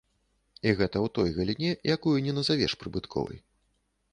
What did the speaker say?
І гэта ў той галіне, якую не назавеш прыбытковай.